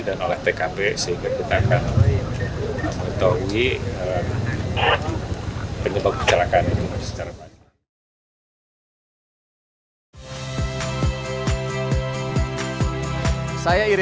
dan oleh tkp sehingga kita akan mengetahui